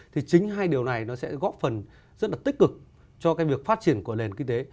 thì chính hai điều này nó sẽ góp phần rất là tích cực cho cái việc phát triển của nền kinh tế